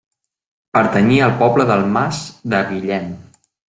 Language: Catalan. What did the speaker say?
Pertanyia al poble del Mas de Guillem.